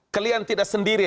kalian tidak sendiri